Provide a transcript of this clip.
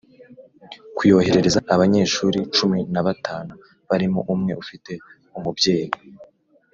Kuyoherereza abanyeshuri cumi na batanu barimo umwe ufite umubyeyi